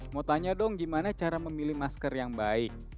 mau tanya dong gimana cara memilih masker yang baik